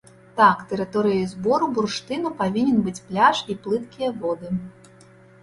Так, тэрыторыяй збору бурштыну павінен быць пляж і плыткія воды.